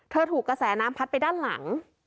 ถูกกระแสน้ำพัดไปด้านหลัง